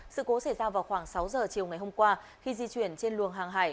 sự cố xảy ra vào khoảng sáu giờ chiều ngày hôm qua khi di chuyển trên luồng hàng hải